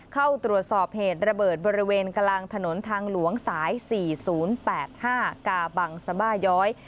เข้าตรวจสอบเหตุระเบิดบริเวณกลางถนนทางหลวงสาย๔๐๘๕กาบังสบาย้อย